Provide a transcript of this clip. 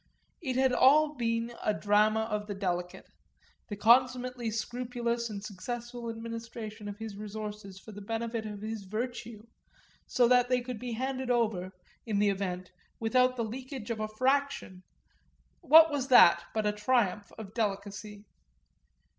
It had all been a drama of the delicate: the consummately scrupulous and successful administration of his resources for the benefit of his virtue, so that they could be handed over, in the event, without the leakage of a fraction, what was that but a triumph of delicacy?